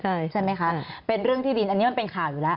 ใช่ไหมคะเป็นเรื่องที่ดินอันนี้มันเป็นข่าวอยู่แล้ว